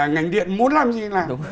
ngành điện muốn làm gì thì làm